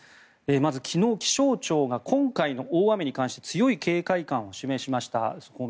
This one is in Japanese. まず、昨日気象庁が今回の大雨に関して強い警戒感を示しました。